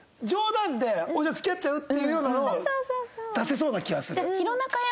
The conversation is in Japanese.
冗談で「じゃあ付き合っちゃう？」っていうようなのを出せそうな気はする。